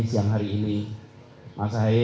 siang hari ini mas ahaye